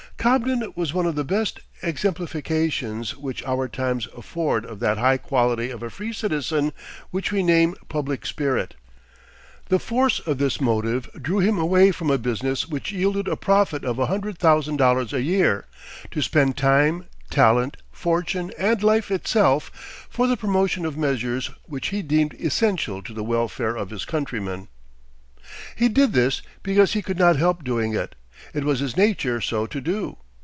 Cobden was one of the best exemplifications which our times afford of that high quality of a free citizen which we name public spirit. The force of this motive drew him away from a business which yielded a profit of a hundred thousand dollars a year, to spend time, talent, fortune, and life itself, for the promotion of measures which he deemed essential to the welfare of his countrymen. He did this because he could not help doing it. It was his nature so to do.